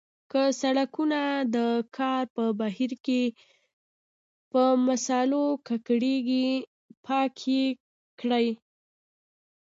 که سړکونه د کار په بهیر کې په مسالو ککړیږي پاک یې کړئ.